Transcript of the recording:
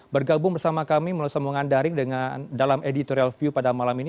bergabung bersama kami melalui sambungan daring dalam editorial view pada malam ini